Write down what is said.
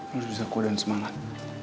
harus bisa kuat dan semangat